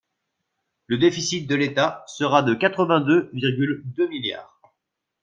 Le déficit de l’État sera de quatre-vingt-deux virgule deux milliards.